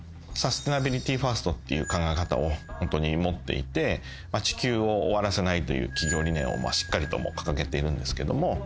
サステナビリティファーストっていう考え方をホントに持っていて地球を終わらせないという企業理念をしっかりと掲げているんですけども。